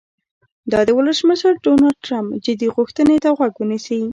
او د ولسمشر ډونالډ ټرمپ "جدي غوښتنې" ته غوږ ونیسي.